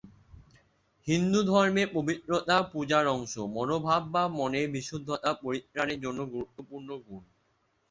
হিন্দুধর্মে পবিত্রতা পূজার অংশ, মনোভাব বা মনের বিশুদ্ধতা পরিত্রাণের জন্য গুরুত্বপূর্ণ গুণ।